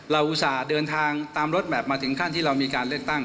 อุตส่าห์เดินทางตามรถแมพมาถึงขั้นที่เรามีการเลือกตั้ง